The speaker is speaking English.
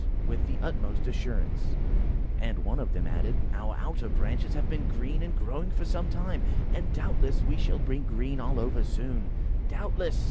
with the utmost assurance, and one of them added, "Our outer branches have been green and growing for some time, and doubtless we shall be green all over soon!" "Doubtless!"